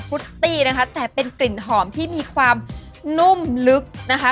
ฟุตตี้นะคะแต่เป็นกลิ่นหอมที่มีความนุ่มลึกนะคะ